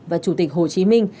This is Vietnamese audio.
và chủ tịch hồ chí minh